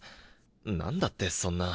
何だってそんな。